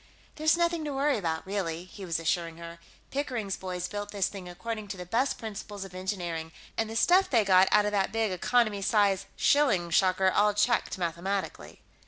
"There's nothing to worry about, really," he was assuring her. "Pickering's boys built this thing according to the best principles of engineering, and the stuff they got out of that big economy size shilling shocker all checked mathematically...."